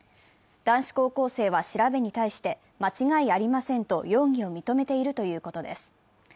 男子高校生は調べに対して、間違いありませんと容疑を認めているということです。